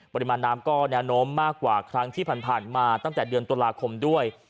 ปริมาณน้ำก็แนวโน้มมากกว่าครั้งที่ผ่านมาตั้งแต่เดือนตุลาคมด้วย